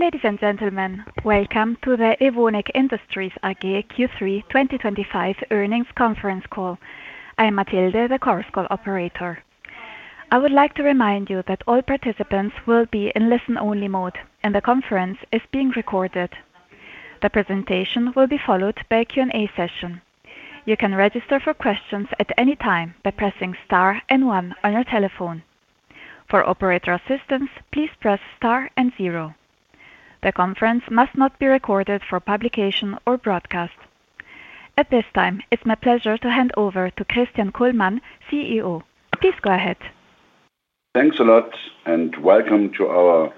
Ladies and gentlemen, welcome to the Evonik Industries AG Q3 2025 earnings conference call. I am Matilde, the course call operator. I would like to remind you that all participants will be in listen-only mode, and the conference is being recorded. The presentation will be followed by a Q&A session. You can register for questions at any time by pressing star and one on your telephone. For operator assistance, please press star and zero. The conference must not be recorded for publication or broadcast. At this time, it's my pleasure to hand over to Christian Kullmann, CEO. Please go ahead. Thanks a lot, and welcome to our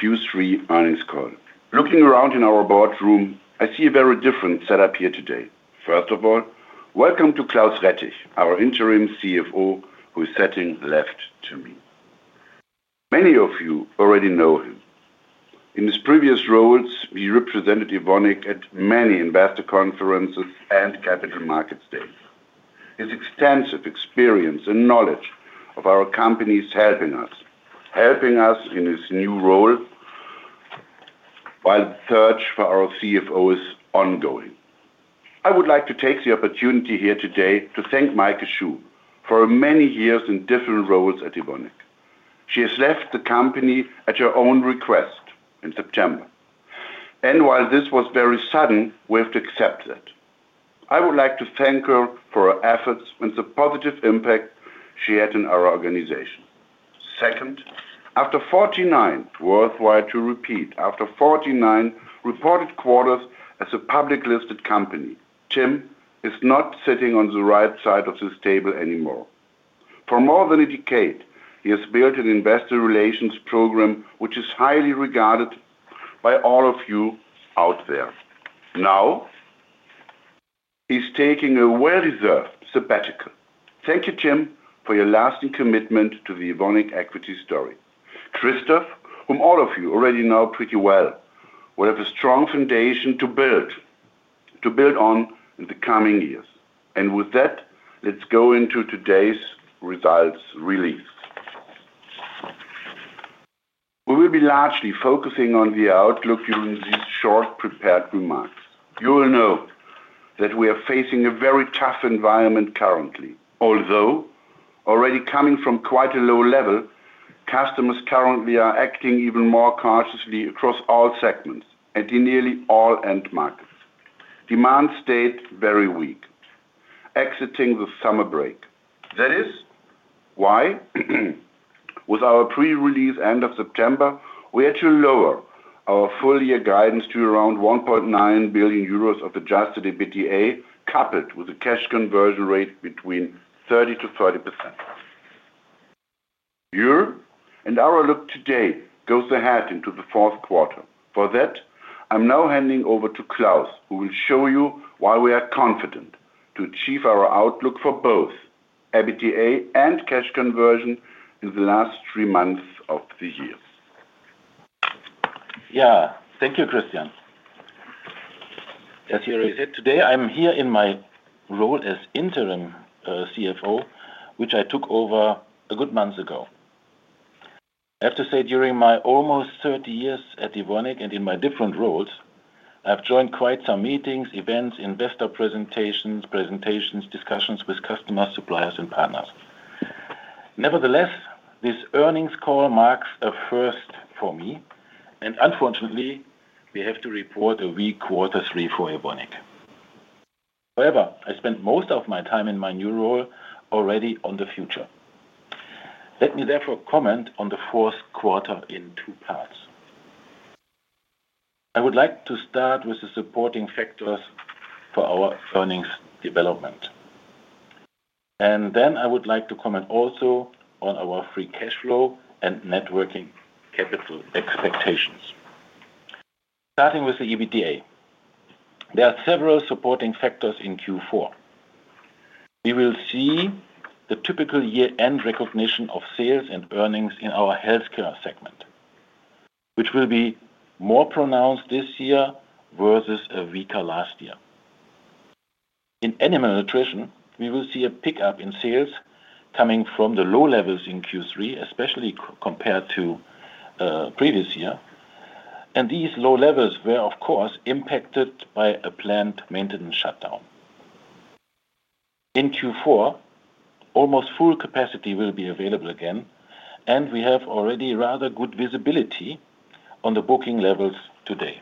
Q3 earnings call. Looking around in our boardroom, I see a very different setup here today. First of all, welcome to Claus Rettig, our Interim CFO, who is sitting left to me. Many of you already know him. In his previous roles, he represented Evonik at many investor conferences and capital markets days. His extensive experience and knowledge of our company is helping us in his new role. While the search for our CFO is ongoing, I would like to take the opportunity here today to thank Maike Schuh for her many years in different roles at Evonik. She has left the company at her own request in September. While this was very sudden, we have to accept that. I would like to thank her for her efforts and the positive impact she had in our organization. Second, after 49, worthwhile to repeat, after 49 reported quarters as a public-listed company, Tim is not sitting on the right side of this table anymore. For more than a decade, he has built an investor relations program, which is highly regarded by all of you out there. Now he is taking a well-deserved sabbatical. Thank you, Tim, for your lasting commitment to the Evonik equity story. Christoph, whom all of you already know pretty well, will have a strong foundation to build on in the coming years. With that, let's go into today's results release. We will be largely focusing on the outlook during these short prepared remarks. You will know that we are facing a very tough environment currently. Although already coming from quite a low level, customers currently are acting even more cautiously across all segments and in nearly all end markets. Demand stayed very weak, exiting the summer break. That is why, with our pre-release end of September, we had to lower our full-year guidance to around 1.9 billion euros of adjusted EBITDA, coupled with a cash conversion rate between 30%-40%. Your and our look today goes ahead into the fourth quarter. For that, I am now handing over to Claus, who will show you why we are confident to achieve our outlook for both EBITDA and cash conversion in the last three months of the year. Yeah, thank you, Christian. As you already said today, I'm here in my role as Interim CFO, which I took over a good month ago. I have to say, during my almost 30 years at Evonik and in my different roles, I've joined quite some meetings, events, investor presentations, discussions with customers, suppliers, and partners. Nevertheless, this earnings call marks a first for me, and unfortunately, we have to report a weak quarter three for Evonik. However, I spent most of my time in my new role already on the future. Let me therefore comment on the fourth quarter in two parts. I would like to start with the supporting factors for our earnings development. Then I would like to comment also on our free cash flow and networking capital expectations. Starting with the EBITDA. There are several supporting factors in Q4. We will see the typical year-end recognition of sales and earnings in our healthcare segment, which will be more pronounced this year versus a weaker last year. In Animal Nutrition, we will see a pickup in sales coming from the low levels in Q3, especially compared to the previous year. These low levels were, of course, impacted by a planned maintenance shutdown. In Q4, almost full capacity will be available again, and we have already rather good visibility on the booking levels today.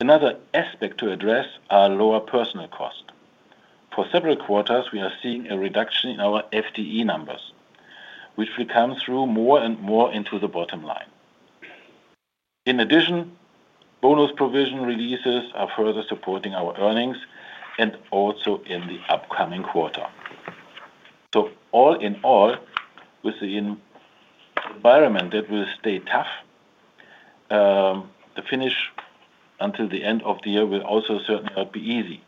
Another aspect to address are lower personnel costs. For several quarters, we are seeing a reduction in our FTE numbers, which will come through more and more into the bottom line. In addition, bonus provision releases are further supporting our earnings and also in the upcoming quarter. All in all, with the environment that will stay tough, the finish until the end of the year will also certainly not be easy.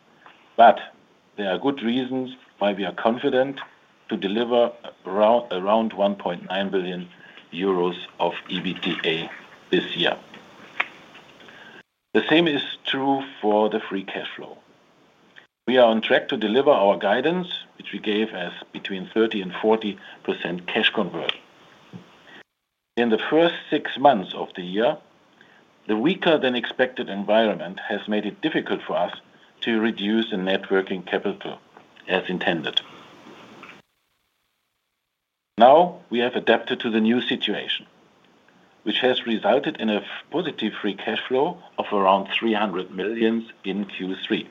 There are good reasons why we are confident to deliver around 1.9 billion euros of EBITDA this year. The same is true for the free cash flow. We are on track to deliver our guidance, which we gave as between 30% and 40% cash conversion. In the first six months of the year, the weaker-than-expected environment has made it difficult for us to reduce the networking capital as intended. Now we have adapted to the new situation, which has resulted in a positive free cash flow of around 300 million in Q3.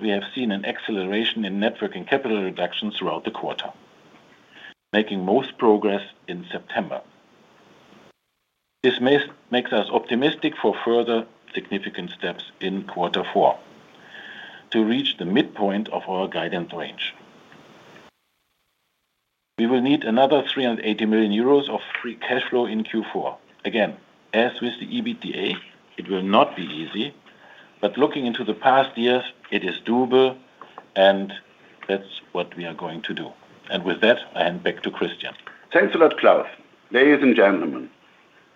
We have seen an acceleration in networking capital reductions throughout the quarter, making most progress in September. This makes us optimistic for further significant steps in quarter four. To reach the midpoint of our guidance range, we will need another 380 million euros of free cash flow in Q4. Again, as with the EBITDA, it will not be easy, but looking into the past years, it is doable, and that's what we are going to do. With that, I hand back to Christian. Thanks a lot, Claus. Ladies and gentlemen,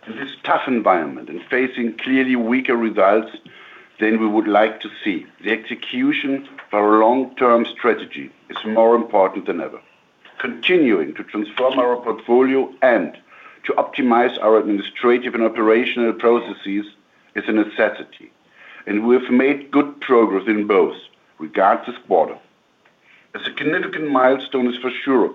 in this tough environment and facing clearly weaker results than we would like to see, the execution of our long-term strategy is more important than ever. Continuing to transform our portfolio and to optimize our administrative and operational processes is a necessity, and we have made good progress in both regards this quarter. A significant milestone is for sure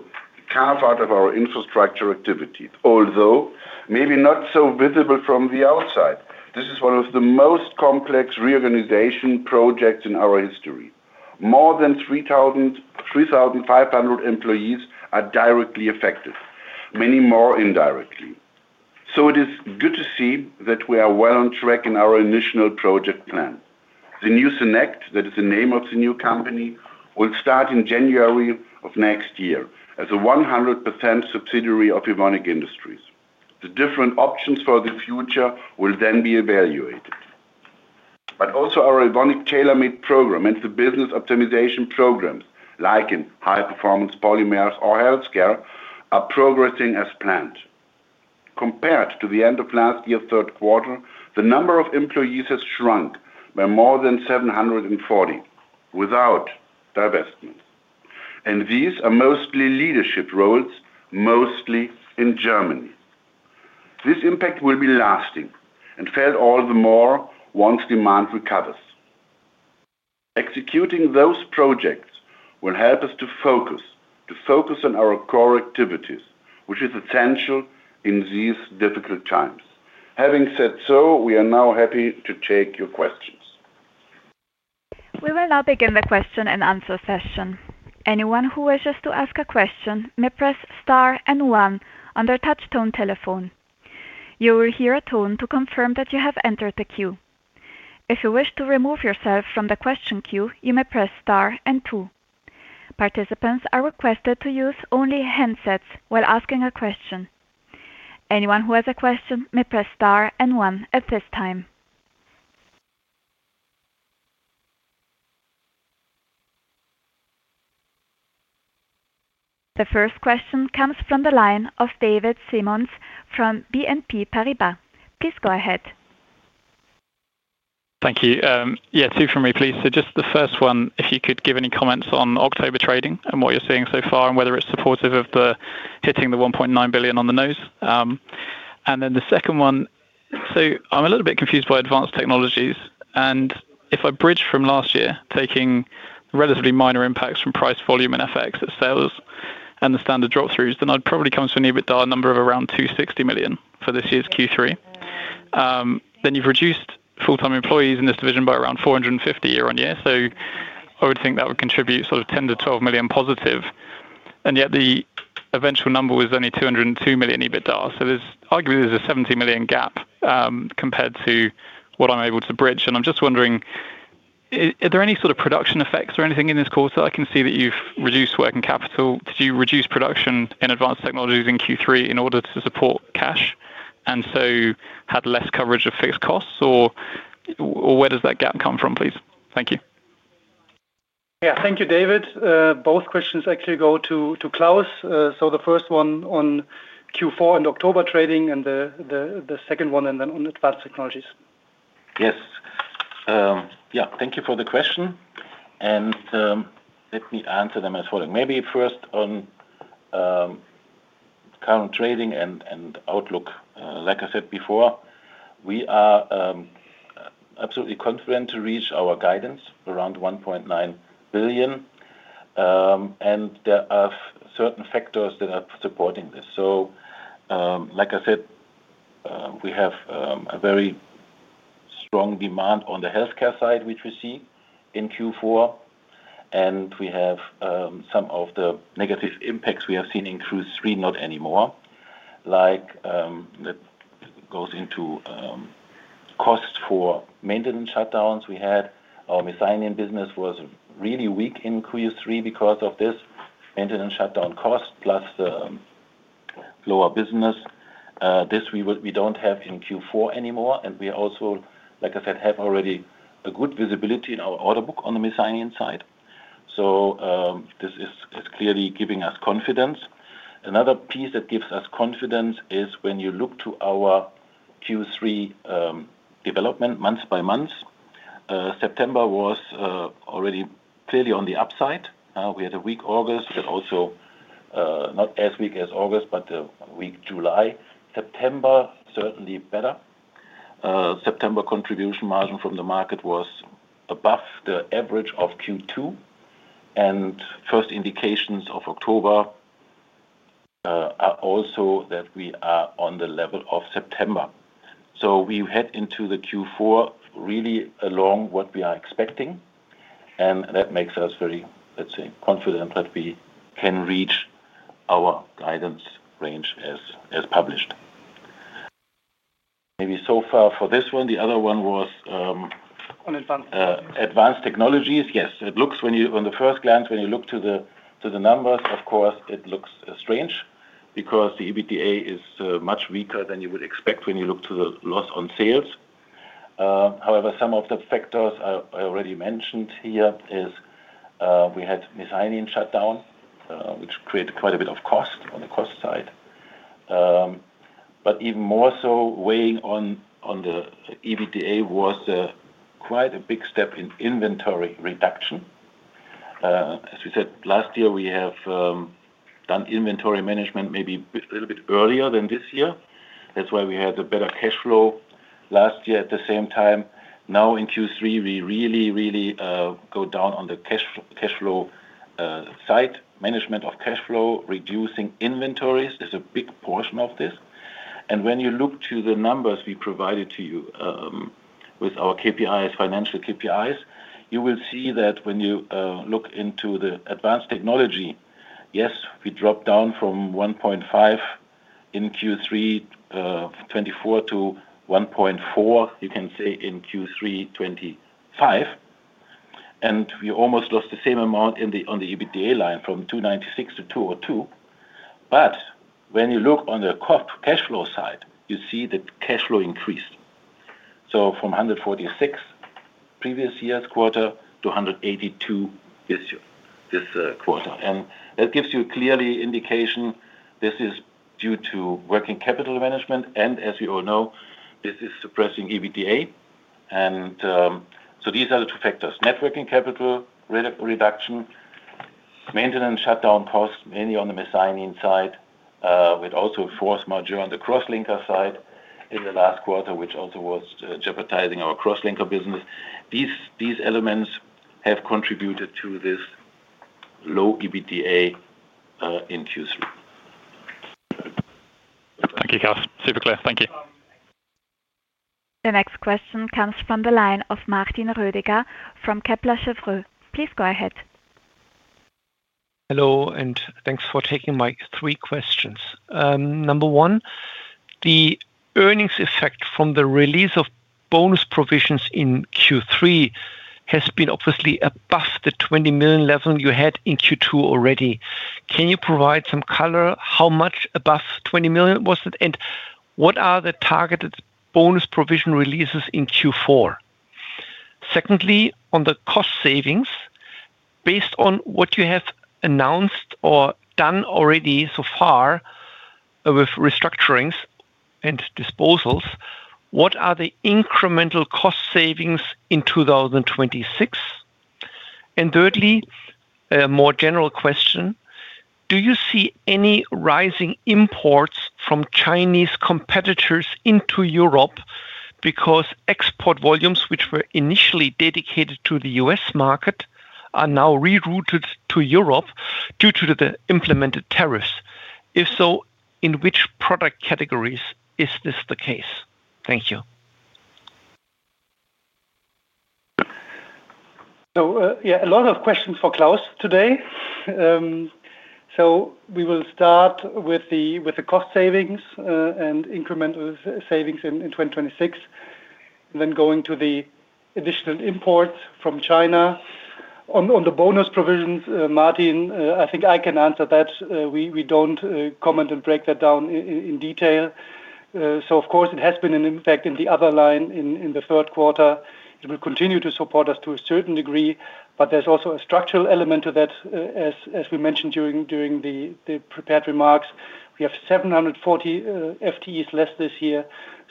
the carve-out of our infrastructure activity, although maybe not so visible from the outside. This is one of the most complex reorganization projects in our history. More than 3,500 employees are directly affected, many more indirectly. It is good to see that we are well on track in our initial project plan. The new SYNEQT, that is the name of the new company, will start in January of next year as a 100% subsidiary of Evonik Industries. The different options for the future will then be evaluated. Also, our Evonik Tailor Made program and the business optimization programs, like in high-performance polymers or healthcare, are progressing as planned. Compared to the end of last year's third quarter, the number of employees has shrunk by more than 740 without divestments. These are mostly leadership roles, mostly in Germany. This impact will be lasting and felt all the more once demand recovers. Executing those projects will help us to focus, to focus on our core activities, which is essential in these difficult times. Having said so, we are now happy to take your questions. We will now begin the question and answer session. Anyone who wishes to ask a question may press star and one on their touch-tone telephone. You will hear a tone to confirm that you have entered the queue. If you wish to remove yourself from the question queue, you may press star and two. Participants are requested to use only handsets while asking a question. Anyone who has a question may press star and one at this time. The first question comes from the line of David Symonds from BNP Paribas. Please go ahead. Thank you. Yeah, two from me, please. Just the first one, if you could give any comments on October trading and what you are seeing so far and whether it is supportive of hitting the 1.9 billion on the nose. The second one, I am a little bit confused by Advanced Technologies. If I bridge from last year, taking relatively minor impacts from price, volume, and FX at sales and the standard drop-throughs, then I would probably come to an EBITDA number of around 260 million for this year's Q3. Then you have reduced full-time employees in this division by around 450 year-on-year. I would think that would contribute sort of 10 million-12 million positive. Yet the eventual number was only 202 million EBITDA. There is arguably a 70 million gap compared to what I am able to bridge. I am just wondering, are there any sort of production effects or anything in this quarter? I can see that you have reduced working capital. Did you reduce production in Advanced Technologies in Q3 in order to support cash and so had less coverage of fixed costs? Where does that gap come from, please? Thank you. Yeah, thank you, David. Both questions actually go to Claus. The first one on Q4 and October trading and the second one and then on Advanced Technologies. Yes. Yeah, thank you for the question. Let me answer them as following. Maybe first on current trading and outlook. Like I said before, we are absolutely confident to reach our guidance around 1.9 billion. There are certain factors that are supporting this. Like I said, we have a very strong demand on the Health Care side, which we see in Q4. We have some of the negative impacts we have seen in Q3 not anymore. That goes into costs for maintenance shutdowns we had. Our miscellaneous business was really weak in Q3 because of this maintenance shutdown cost plus the lower business. This we do not have in Q4 anymore. We also, like I said, have already a good visibility in our order book on the miscellaneous side. This is clearly giving us confidence. Another piece that gives us confidence is when you look to our Q3 development month by month. September was already clearly on the upside. We had a weak August, but also not as weak as August, but a weak July. September certainly better. September contribution margin from the market was above the average of Q2. First indications of October are also that we are on the level of September. We head into the Q4 really along what we are expecting. That makes us very, let's say, confident that we can reach our guidance range as published. Maybe so far for this one. The other one was. On Advanced Technologies. Advanced Technologies, yes. It looks when you on the first glance, when you look to the numbers, of course, it looks strange because the EBITDA is much weaker than you would expect when you look to the loss on sales. However, some of the factors I already mentioned here is we had maintenance shutdown, which created quite a bit of cost on the cost side. Even more so weighing on the EBITDA was quite a big step in inventory reduction. As we said, last year we have done inventory management maybe a little bit earlier than this year. That is why we had a better cash flow last year at the same time. Now in Q3, we really, really go down on the cash flow side. Management of cash flow, reducing inventories is a big portion of this. When you look to the numbers we provided to you with our KPIs, financial KPIs, you will see that when you look into the Advanced Technologies, yes, we dropped down from 1.5 billion in Q3 2024 to 1.4 billion, you can say, in Q3 2025. We almost lost the same amount on the EBITDA line from 296 million to 202 million. When you look on the cash flow side, you see that cash flow increased from 146 million previous year's quarter to 182 million this quarter. That gives you a clear indication this is due to working capital management. As we all know, this is suppressing EBITDA. These are the two factors: working capital reduction, maintenance shutdown costs, mainly on the maintenance side, with also a force majeure on the cross-linker side in the last quarter, which also was jeopardizing our cross-linker business. These elements have contributed to this low EBITDA in Q3. Thank you, Claus. Super clear. Thank you. The next question comes from the line of Martin Rödiger from Kepler Cheuvreux. Please go ahead. Hello, and thanks for taking my three questions. Number one, the earnings effect from the release of bonus provisions in Q3 has been obviously above the 20 million level you had in Q2 already. Can you provide some color how much above 20 million was it? What are the targeted bonus provision releases in Q4? Secondly, on the cost savings, based on what you have announced or done already so far. With restructurings and disposals, what are the incremental cost savings in 2026? Thirdly, a more general question, do you see any rising imports from Chinese competitors into Europe because export volumes, which were initially dedicated to the U.S. market, are now rerouted to Europe due to the implemented tariffs? If so, in which product categories is this the case? Thank you. Yeah, a lot of questions for Claus today. We will start with the cost savings and incremental savings in 2026. Then going to the additional imports from China. On the bonus provisions, Martin, I think I can answer that. We do not comment and break that down in detail. Of course, it has been an impact in the other line in the third quarter. It will continue to support us to a certain degree, but there is also a structural element to that, as we mentioned during the prepared remarks. We have 740 FTEs less this year.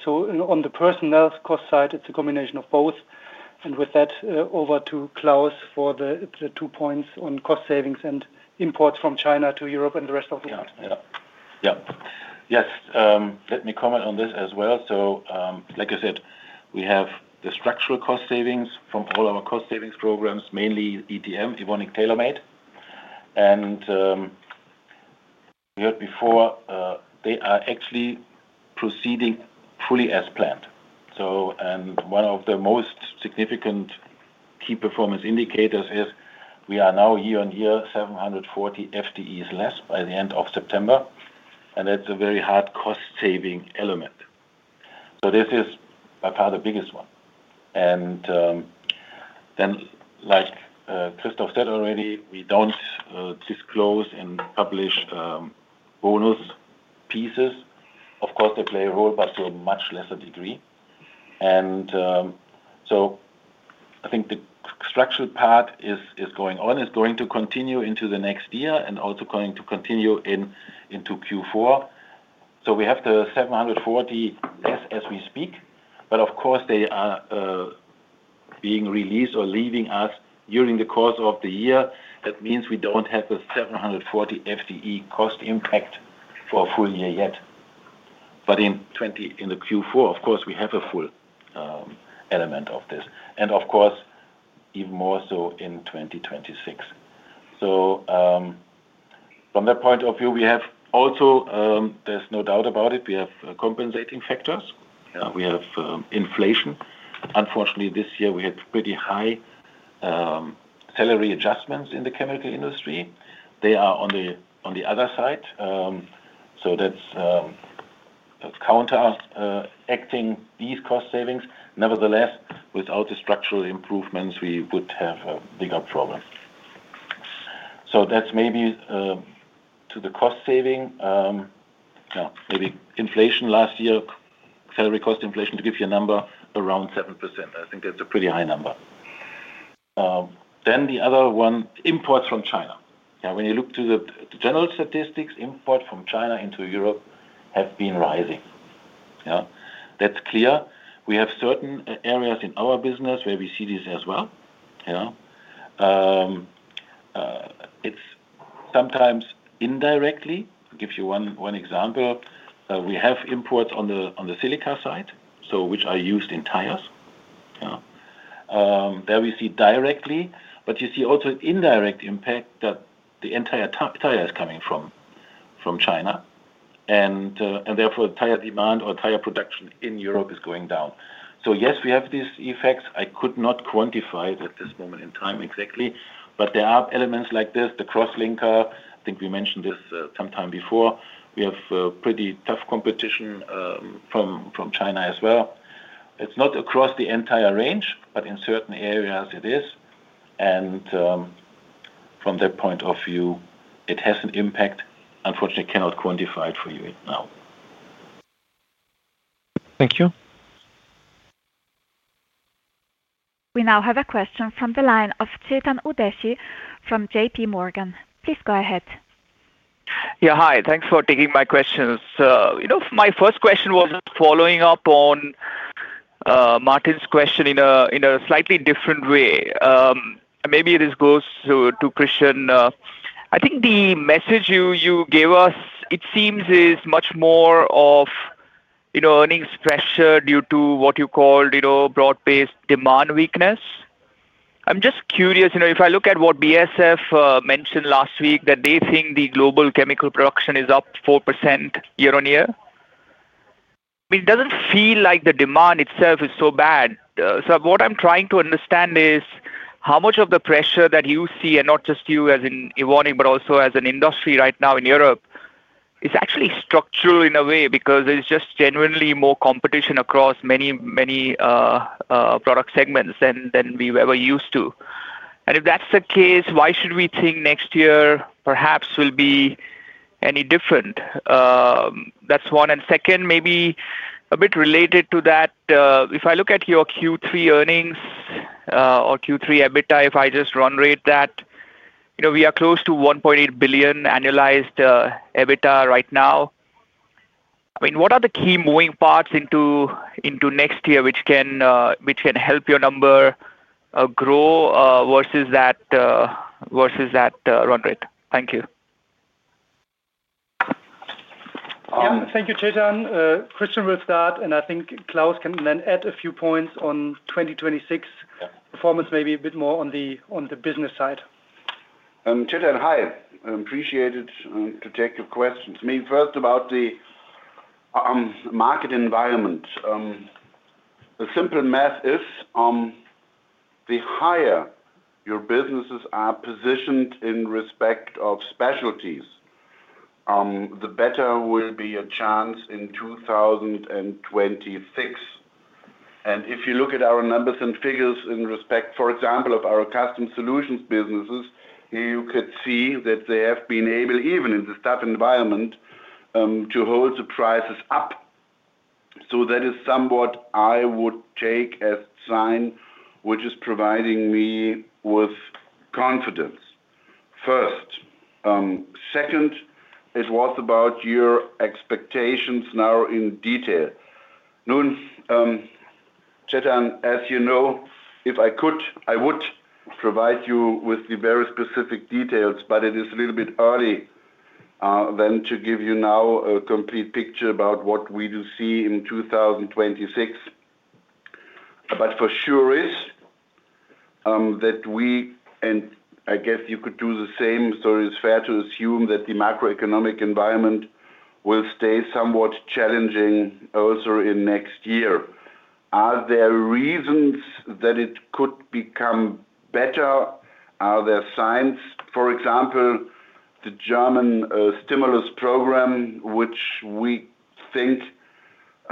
On the personnel cost side, it is a combination of both. With that, over to Claus for the two points on cost savings and imports from China to Europe and the rest of the world. Yeah. Yes. Let me comment on this as well. Like I said, we have the structural cost savings from all our cost savings programs, mainly ETM, Evonik Tailor Made. We heard before, they are actually proceeding fully as planned. One of the most significant key performance indicators is we are now year-on-year 740 FTEs less by the end of September. That is a very hard cost saving element. This is by far the biggest one. Like Christoph said already, we do not disclose and publish bonus pieces. Of course, they play a role, but to a much lesser degree. I think the structural part is going on, is going to continue into the next year, and also going to continue into Q4. We have the 740 less as we speak, but of course, they are being released or leaving us during the course of the year. That means we do not have the 740 FTE cost impact for a full year yet. In Q4, we have a full element of this, and even more so in 2026. From that point of view, there is no doubt about it, we have compensating factors. We have inflation. Unfortunately, this year, we had pretty high salary adjustments in the chemical industry. They are on the other side. That is counteracting these cost savings. Nevertheless, without the structural improvements, we would have a bigger problem. That is maybe to the cost saving. Maybe inflation last year, salary cost inflation, to give you a number, around 7%. I think that is a pretty high number. The other one, imports from China. When you look to the general statistics, imports from China into Europe have been rising. That is clear. We have certain areas in our business where we see this as well. It is sometimes indirectly. I will give you one example. We have imports on the silica side, which are used in tires. There we see directly, but you see also indirect impact that the entire tire is coming from China. Therefore, tire demand or tire production in Europe is going down. Yes, we have these effects. I could not quantify it at this moment in time exactly, but there are elements like this. The cross-linker, I think we mentioned this sometime before, we have pretty tough competition from China as well. It is not across the entire range, but in certain areas it is. From that point of view, it has an impact. Unfortunately, I cannot quantify it for you right now. Thank you. We now have a question from the line of Chetan Udeshi from JPMorgan. Please go ahead. Yeah, hi. Thanks for taking my questions. My first question was following up on Martin's question in a slightly different way. Maybe this goes to Christian. I think the message you gave us, it seems, is much more of earnings pressure due to what you called broad-based demand weakness. I'm just curious, if I look at what BASF mentioned last week, that they think the global chemical production is up 4% year-on-year. I mean, it doesn't feel like the demand itself is so bad. What I'm trying to understand is how much of the pressure that you see, and not just you as in Evonik, but also as an industry right now in Europe, is actually structural in a way because there's just genuinely more competition across many product segments than we ever used to. If that's the case, why should we think next year perhaps will be any different? That's one. Second, maybe a bit related to that, if I look at your Q3 earnings or Q3 EBITDA, if I just run rate that, we are close to 1.8 billion annualized EBITDA right now. I mean, what are the key moving parts into next year which can help your number grow versus that run rate? Thank you. Thank you, Chetan. Christian with that. I think Claus can then add a few points on 2026 performance, maybe a bit more on the business side. Chetan, hi. Appreciate it to take your questions. Maybe first about the market environment. The simple math is the higher your businesses are positioned in respect of specialties, the better will be your chance in 2026. If you look at our numbers and figures in respect, for example, of our Custom Solutions businesses, you could see that they have been able, even in the tough environment, to hold the prices up. That is somewhat I would take as sign which is providing me with confidence. First. Second, it was about your expectations now in detail. Chetan, as you know, if I could, I would provide you with the very specific details, but it is a little bit early to give you now a complete picture about what we do see in 2026. What for sure is that we, and I guess you could do the same, so it's fair to assume that the macroeconomic environment will stay somewhat challenging also in next year. Are there reasons that it could become better? Are there signs? For example, the German stimulus program, which we think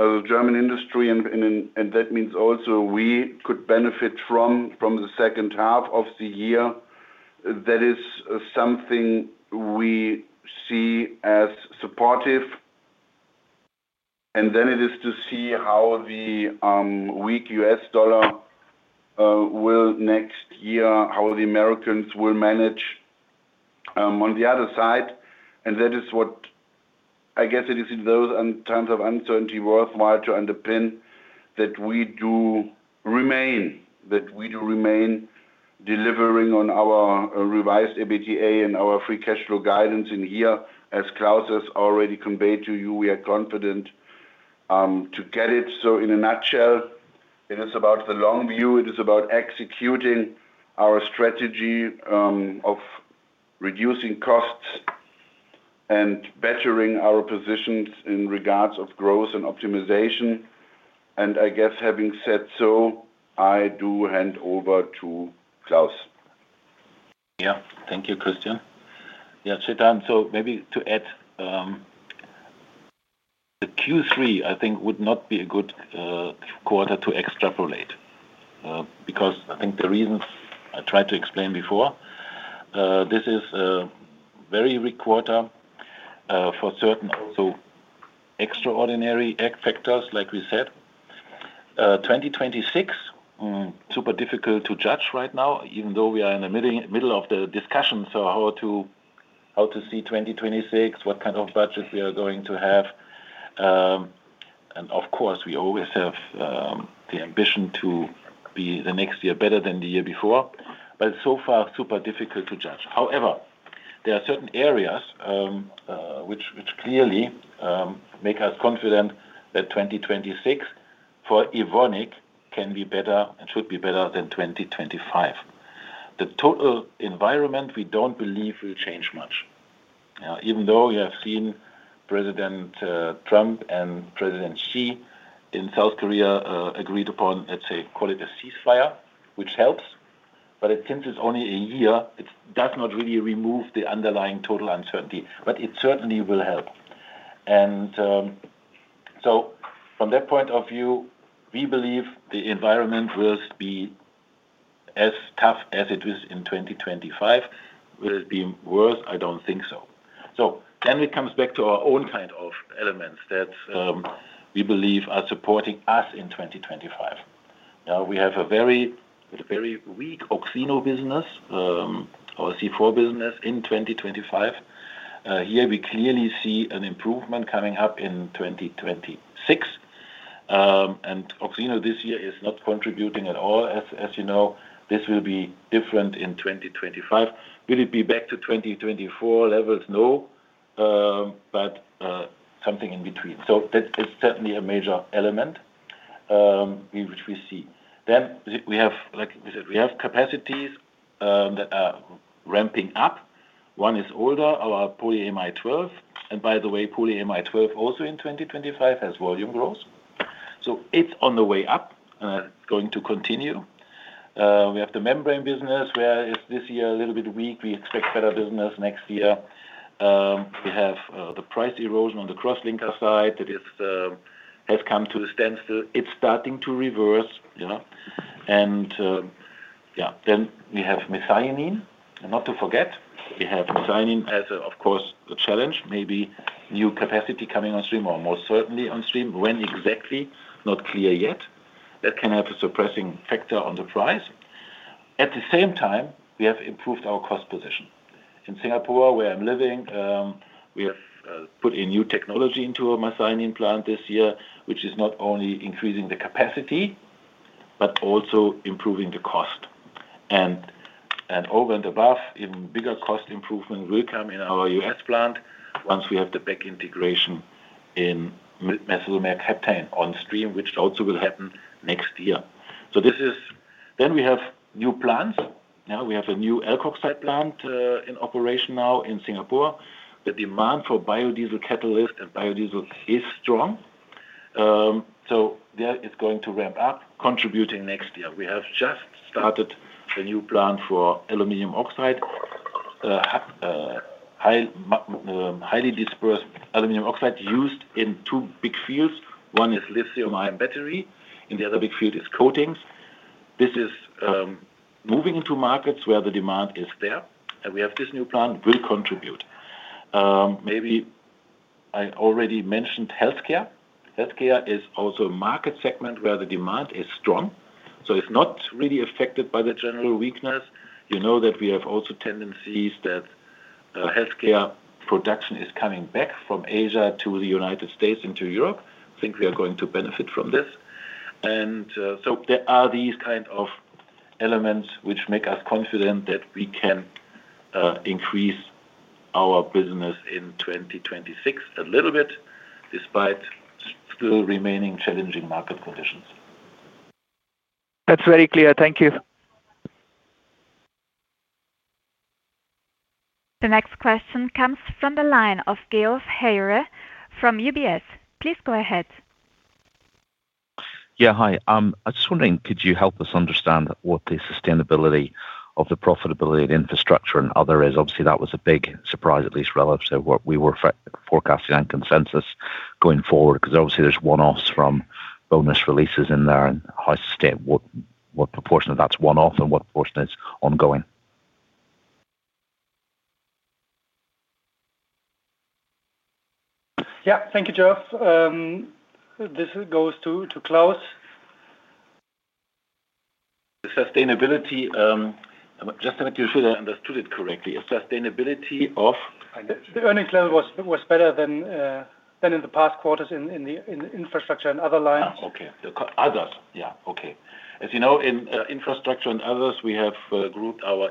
German industry, and that means also we, could benefit from the second half of the year, that is something we see as supportive. It is to see how the weak U.S. dollar will next year, how the Americans will manage. On the other side, that is what I guess it is in those times of uncertainty worthwhile to underpin that we do remain, that we do remain delivering on our revised EBITDA and our free cash flow guidance in here. As Claus has already conveyed to you, we are confident to get it. In a nutshell, it is about the long view. It is about executing our strategy of reducing costs and bettering our positions in regards of growth and optimization. I guess having said so, I do hand over to Claus. Yeah. Thank you, Christian. Yeah, Chetan, so maybe to add. The Q3, I think, would not be a good quarter to extrapolate. Because I think the reasons I tried to explain before. This is a very weak quarter. For certain also extraordinary factors, like we said. 2026. Super difficult to judge right now, even though we are in the middle of the discussion. How to see 2026, what kind of budget we are going to have. Of course, we always have the ambition to be the next year better than the year before. But so far, super difficult to judge. However, there are certain areas which clearly make us confident that 2026 for Evonik can be better and should be better than 2025. The total environment, we do not believe will change much. Even though you have seen President Trump and President Xi in South Korea agreed upon, let's say, call it a ceasefire, which helps. Since it is only a year, it does not really remove the underlying total uncertainty. It certainly will help. From that point of view, we believe the environment will be as tough as it is in 2025. Will it be worse? I do not think so. It comes back to our own kind of elements that we believe are supporting us in 2025. We have a very weak Oxeno business. Our C4 business in 2025. Here we clearly see an improvement coming up in 2026. Oxeno this year is not contributing at all, as you know. This will be different in 2025. Will it be back to 2024 levels? No. But something in between. That is certainly a major element which we see. We have, like we said, capacities that are ramping up. One is older, our polyamide 12. By the way, polyamide 12 also in 2025 has volume growth. It is on the way up and it is going to continue. We have the membrane business, whereas this year a little bit weak. We expect better business next year. We have the price erosion on the cross-linker side that has come to a standstill. It is starting to reverse. Yeah, then we have Methionine. Not to forget, we have Methionine as, of course, a challenge. Maybe new capacity coming on stream, or most certainly on stream. When exactly, not clear yet. That can have a suppressing factor on the price. At the same time, we have improved our cost position. In Singapore, where I am living, we have put a new technology into a Methionine plant this year, which is not only increasing the capacity, but also improving the cost. Over and above, even bigger cost improvement will come in our U.S. plant once we have the back integration in methylmercaptan on stream, which also will happen next year. We have new plants. We have a new alkoxide plant in operation now in Singapore. The demand for biodiesel catalyst and biodiesel is strong. There it is going to ramp up, contributing next year. We have just started a new plant for aluminum oxide. Highly dispersed aluminum oxide used in two big fields. One is lithium-ion battery, and the other big field is coatings. This is moving into markets where the demand is there. We have this new plant will contribute. Maybe. I already mentioned healthcare. Healthcare is also a market segment where the demand is strong. It is not really affected by the general weakness. You know that we have also tendencies that healthcare production is coming back from Asia to the United States into Europe. I think we are going to benefit from this. There are these kind of elements which make us confident that we can increase our business in 2026 a little bit, despite still remaining challenging market conditions. That's very clear. Thank you. The next question comes from the line of Geoff Haire from UBS. Please go ahead. Yeah, hi. I was wondering, could you help us understand what the sustainability of the profitability of the Infrastructure & Other is? Obviously, that was a big surprise, at least relative to what we were forecasting and consensus going forward, because obviously there's one-offs from bonus releases in there and what proportion of that's one-off and what portion is ongoing. Yeah, thank you, Geoff. This goes to Claus. The sustainability. Just to make sure I understood it correctly, sustainability of. The earnings level was better than in the past quarters in the Infrastructure and Other lines. Okay. Others. Yeah. Okay. As you know, in Infrastructure and Others, we have grouped our,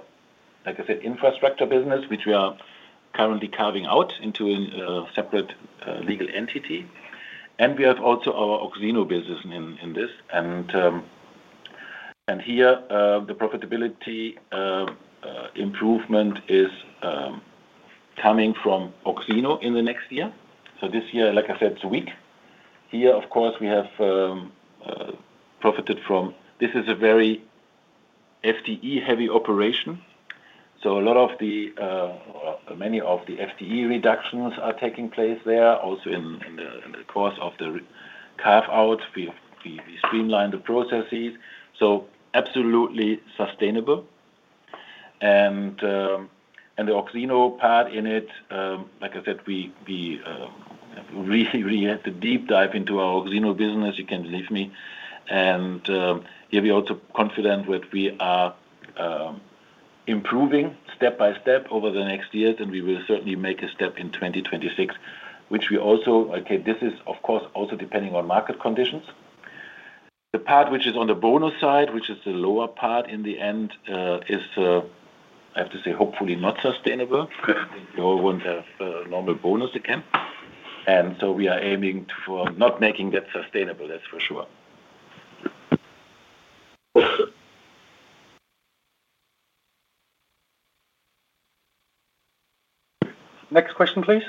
like I said, infrastructure business, which we are currently carving out into a separate legal entity. We have also our Oxenobusiness in this. Here, the profitability improvement is coming from Oxeno in the next year. This year, like I said, it is weak. Here, of course, we have profited from—this is a very FTE-heavy operation. Many of the FTE reductions are taking place there. Also, in the course of the carve-out, we streamlined the processes. Absolutely sustainable. The Oxeno part in it, like I said, we really had a deep dive into our Oxeno business, you can believe me. Here we are also confident that we are improving step by step over the next years, and we will certainly make a step in 2026, which we also—okay, this is, of course, also depending on market conditions. The part which is on the bonus side, which is the lower part in the end, is—I have to say, hopefully not sustainable. I think we all would not want to have a normal bonus again. We are aiming for not making that sustainable, that is for sure. Next question, please.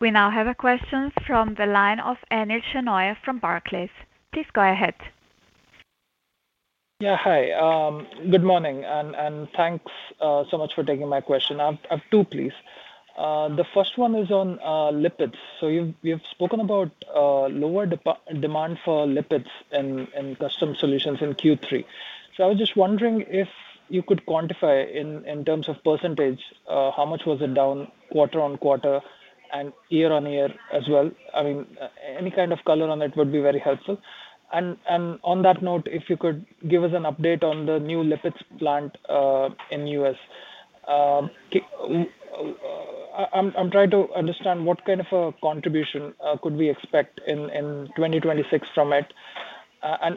We now have a question from the line of Anil Shenoy from Barclays. Please go ahead. Yeah, hi. Good morning. Thanks so much for taking my question. I have two, please. The first one is on lipids. We have spoken about lower demand for lipids in Custom Solutions in Q3. I was just wondering if you could quantify in terms of percentage, how much was it down quarter on quarter and year on year as well? I mean, any kind of color on it would be very helpful. On that note, if you could give us an update on the new lipids plant in the U.S. I'm trying to understand what kind of a contribution could we expect in 2026 from it.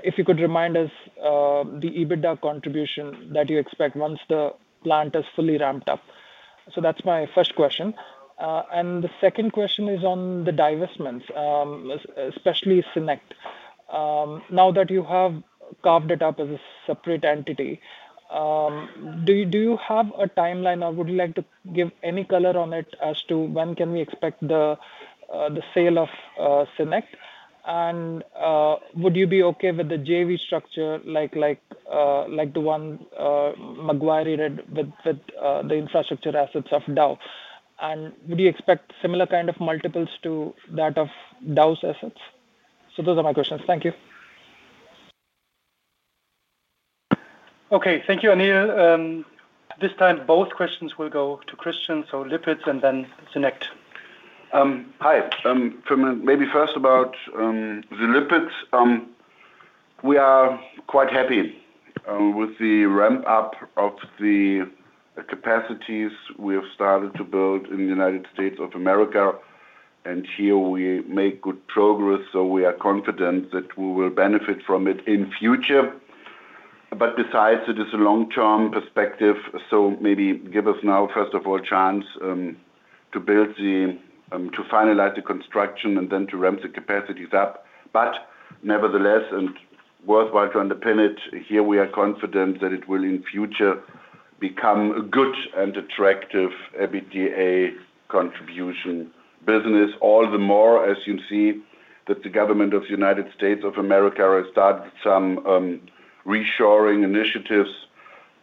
If you could remind us the EBITDA contribution that you expect once the plant is fully ramped up. That's my first question. The second question is on the divestments, especially SYNEQT. Now that you have carved it up as a separate entity, do you have a timeline or would you like to give any color on it as to when can we expect the sale of SYNEQT? Would you be okay with the JV structure like the one McGuire did with the infrastructure assets of Dow? Would you expect similar kind of multiples to that of Dow's assets? Those are my questions. Thank you. Okay. Thank you, Anil. This time, both questions will go to Christian. So lipids and then SYNEQT. Hi. Maybe first about the lipids. We are quite happy with the ramp-up of the capacities we have started to build in the United States of America. Here we make good progress, so we are confident that we will benefit from it in future. Besides, it is a long-term perspective. Maybe give us now, first of all, a chance to finalize the construction and then to ramp the capacities up. Nevertheless, and worthwhile to underpin it, here we are confident that it will in future become a good and attractive EBITDA contribution business. All the more, as you see, the government of the United States of America has started some reshoring initiatives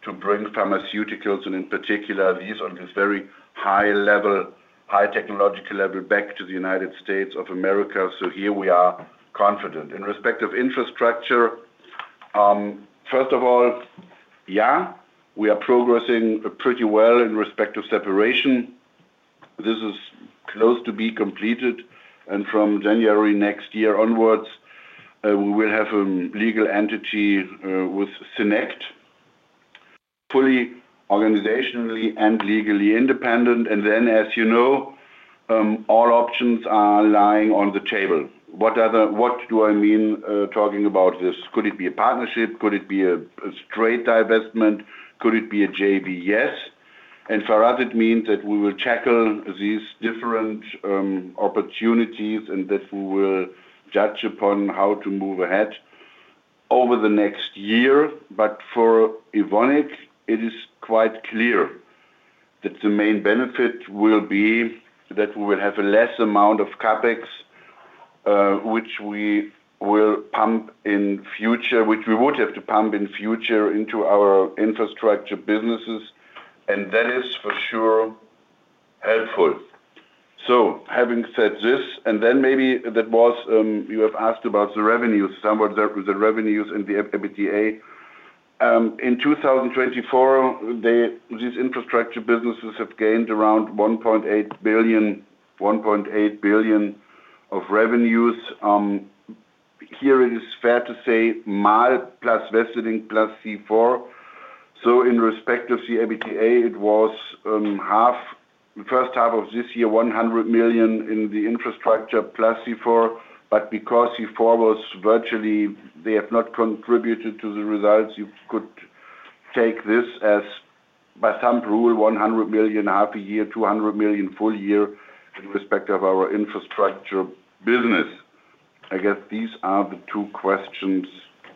to bring pharmaceuticals and in particular these on this very high-level, high-technological level back to the United States of America. Here we are confident. In respect of infrastructure, first of all, yeah, we are progressing pretty well in respect of separation. This is close to be completed. From January next year onwards, we will have a legal entity with SYNEQT, fully organizationally and legally independent. As you know, all options are lying on the table. What do I mean talking about this? Could it be a partnership? Could it be a straight divestment? Could it be a JV? Yes. For us, it means that we will tackle these different opportunities and that we will judge upon how to move ahead over the next year. For Evonik, it is quite clear that the main benefit will be that we will have a less amount of CapEx which we will pump in future, which we would have to pump in future into our infrastructure businesses. That is for sure helpful. Having said this, and then maybe that was you have asked about the revenues, some of the revenues in the EBITDA. In 2024, these infrastructure businesses have gained around 1.8 billion of revenues. Here it is fair to say mild plus vested in plus C4. In respect of the EBITDA, it was half, the first half of this year, 100 million in the infrastructure plus C4. Because C4 was virtually, they have not contributed to the results, you could take this as, by some rule, 100 million half a year, 200 million full year in respect of our infrastructure business. I guess these are the two questions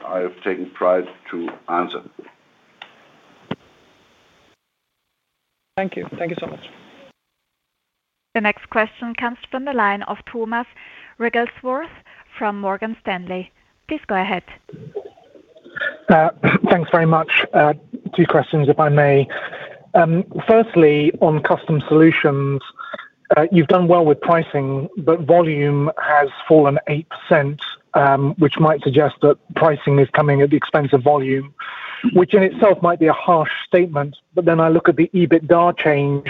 I have taken pride to answer. Thank you. Thank you so much. The next question comes from the line of Thomas Wrigglesworth from Morgan Stanley. Please go ahead. Thanks very much. Two questions, if I may. Firstly, on Custom Solutions, you've done well with pricing, but volume has fallen 8%, which might suggest that pricing is coming at the expense of volume, which in itself might be a harsh statement. I look at the EBITDA change,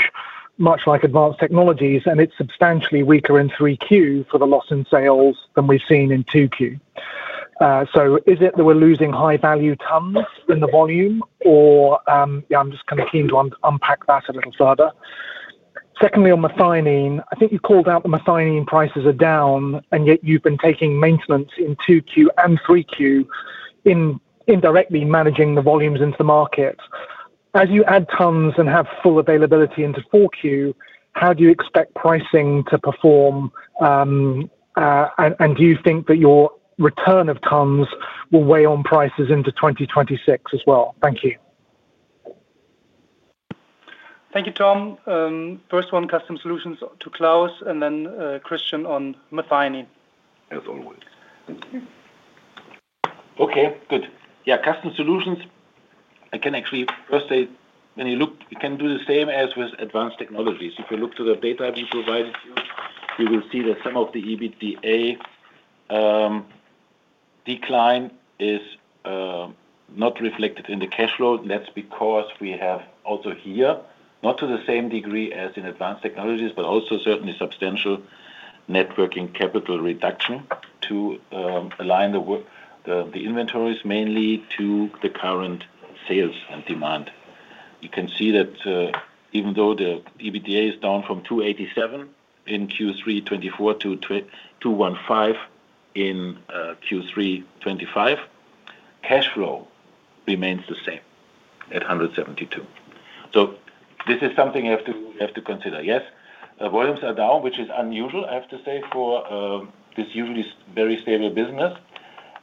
much like Advanced Technologies, and it's substantially weaker in 3Q for the loss in sales than we've seen in 2Q. Is it that we're losing high-value tons in the volume? Or yeah, I'm just kind of keen to unpack that a little further. Secondly, on Methionine, I think you called out the Methionine prices are down, and yet you've been taking maintenance in 2Q and 3Q. Indirectly managing the volumes into the market. As you add tons and have full availability into 4Q, how do you expect pricing to perform? Do you think that your return of tons will weigh on prices into 2026 as well? Thank you. Thank you, Tom. First one, Custom Solutions to Claus and then Christian on Methionine. As always. Okay. Good. Yeah, Custom Solutions, I can actually first say, when you look, you can do the same as with Advanced Technologies. If you look to the data we provided you, you will see that some of the EBITDA decline is not reflected in the cash flow. That is because we have also here, not to the same degree as in Advanced Technologies, but also certainly substantial networking capital reduction to align the inventories mainly to the current sales and demand. You can see that even though the EBITDA is down from 287 million in Q3 2024 to 215 million in Q3 2025, cash flow remains the same at 172 million. This is something you have to consider. Yes, volumes are down, which is unusual, I have to say, for this usually very stable business.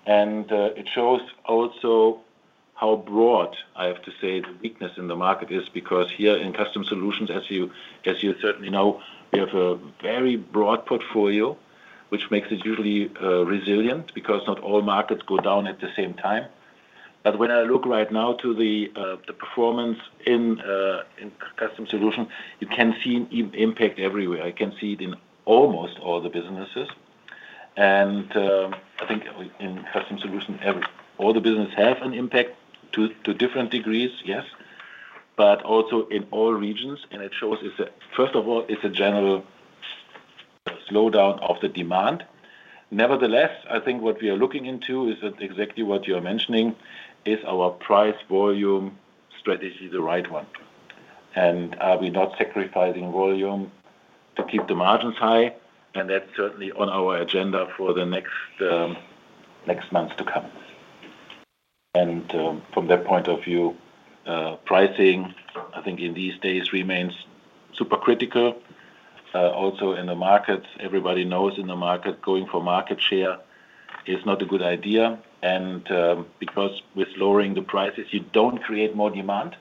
It shows also how broad, I have to say, the weakness in the market is, because here in Custom Solutions, as you certainly know, we have a very broad portfolio, which makes it usually resilient because not all markets go down at the same time. When I look right now to the performance in Custom Solutions, you can see impact everywhere. I can see it in almost all the businesses. I think in Custom Solutions, all the businesses have an impact to different degrees, yes, but also in all regions. It shows, first of all, it is a general slowdown of the demand. Nevertheless, I think what we are looking into is exactly what you are mentioning, is our price volume strategy the right one? Are we not sacrificing volume to keep the margins high? That is certainly on our agenda for the next months to come. From that point of view, pricing, I think in these days remains super critical. Also in the market, everybody knows in the market, going for market share is not a good idea, because with lowering the prices, you do not create more demand.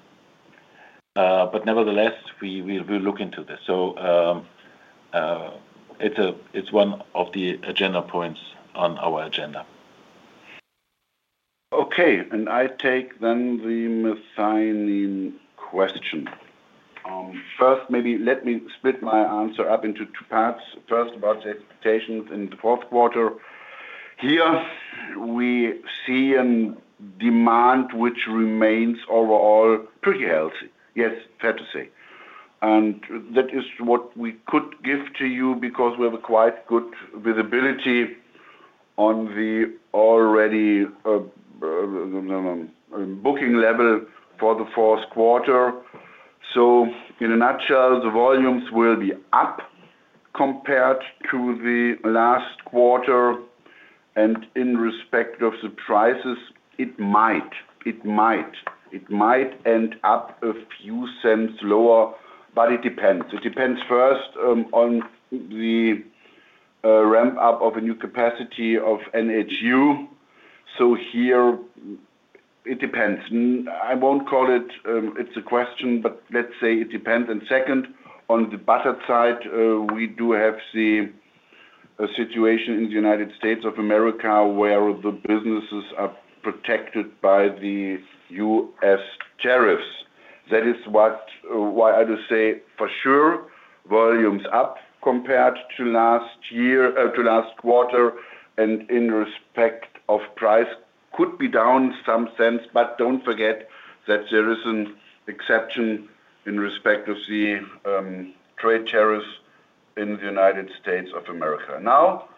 Nevertheless, we will look into this. It is one of the agenda points on our agenda. Okay. I take then the Methionine question. First, maybe let me split my answer up into two parts. First, about the expectations in the fourth quarter. Here, we see a demand which remains overall pretty healthy. Yes, fair to say. That is what we could give to you because we have a quite good visibility on the already booking level for the fourth quarter. In a nutshell, the volumes will be up compared to the last quarter. In respect of the prices, it might end up a few cents lower, but it depends. It depends first on the ramp-up of a new capacity of NHU. Here, it depends. I would not call it a question, but let's say it depends. Second, on the other side, we do have the situation in the United States where the businesses are protected by the U.S. tariffs. That is why I do say for sure, volumes up compared to last quarter. In respect of price, could be down some cents, but do not forget that there is an exception in respect of the trade tariffs in the United States. Now,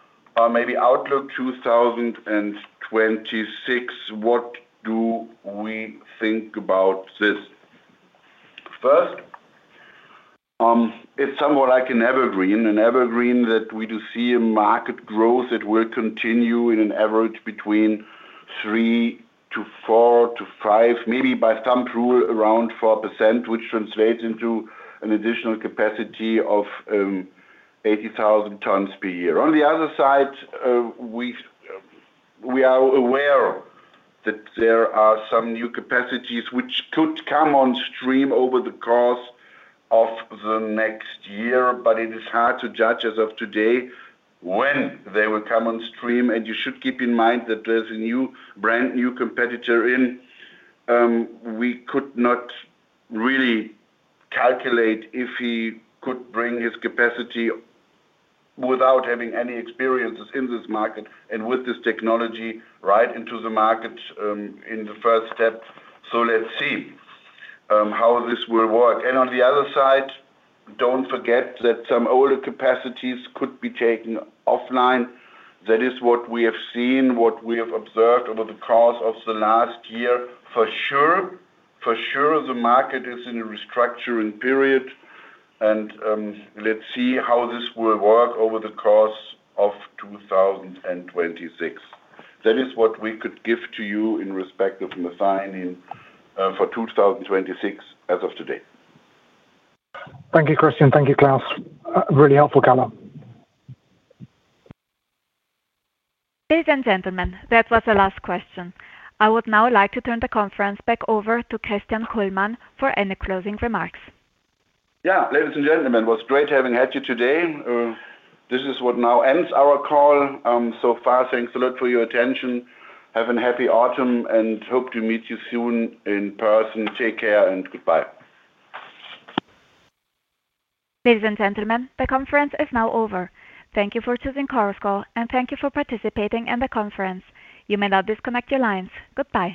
maybe outlook 2026, what do we think about this? First, it is somewhat like an evergreen. An evergreen that we do see market growth. It will continue in an average between 3%-4%-5%, maybe by some rule around 4%, which translates into an additional capacity of 80,000 tons per year. On the other side, we are aware that there are some new capacities which could come on stream over the course of the next year, but it is hard to judge as of today when they will come on stream. You should keep in mind that there is a brand new competitor in. We could not really calculate if he could bring his capacity without having any experiences in this market and with this technology right into the market in the first step. Let's see how this will work. On the other side, do not forget that some older capacities could be taken offline. That is what we have seen, what we have observed over the course of the last year. For sure, the market is in a restructuring period. Let's see how this will work over the course of 2026. That is what we could give to you in respect of Methionine for 2026 as of today. Thank you, Christian. Thank you, Claus. Really helpful color. Ladies and gentlemen, that was the last question. I would now like to turn the conference back over to Christian Kullmann for any closing remarks. Yeah, ladies and gentlemen, it was great having had you today. This is what now ends our call. So far, thanks a lot for your attention. Have a happy autumn and hope to meet you soon in person. Take care and goodbye. Ladies and gentlemen, the conference is now over. Thank you for choosing Chorus Call and thank you for participating in the conference. You may now disconnect your lines. Goodbye.